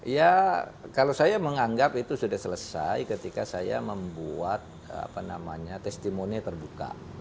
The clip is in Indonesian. ya kalau saya menganggap itu sudah selesai ketika saya membuat testimoni terbuka